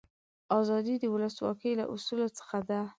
آزادي د ولسواکي له اصولو څخه ده.